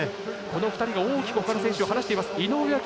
この２人が大きくほかの選手を離しています。